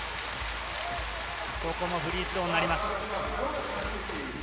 ここもフリースローになります。